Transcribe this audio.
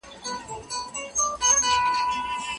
څېړونکی باید د ژبي په اصولو پوه وي.